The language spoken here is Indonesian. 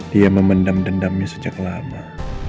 dia memendam dendamnya sejak lama